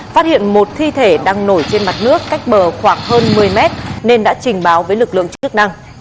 phát hiện một thi thể đang nổi trên mặt nước cách bờ khoảng hơn một mươi mét nên đã trình báo với lực lượng chức năng